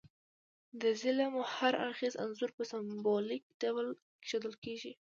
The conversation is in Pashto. د ظلم هر اړخیز انځور په سمبولیک ډول ښودل کیږي.